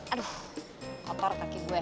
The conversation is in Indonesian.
aduh kotor kaki gue